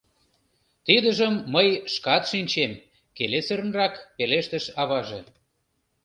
— Тидыжым мый шкат шинчем, — келесырынрак пелештыш аваже.